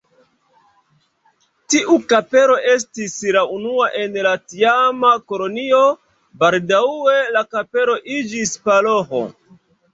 Tiu kapelo estis la unua en la tiama kolonio, baldaŭe la kapelo iĝis paroĥo.